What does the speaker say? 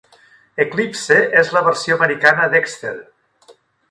Eclipse és la versió americana d'Excel.